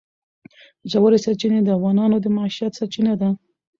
ژورې سرچینې د افغانانو د معیشت سرچینه ده.